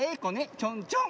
チョンチョン。